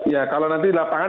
ya kalau nanti lapangan